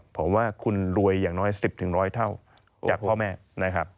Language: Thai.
ผมว่าคุณรวยอย่างน้อย๑๐๑๐๐เท่าจากพ่อแม่นะครับ